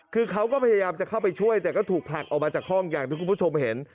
คือเขาก็พยายามจะเข้าไปช่วยแต่ก็ถูกผลักออกมาจากห้องอย่างที่คุณผู้ชมเห็น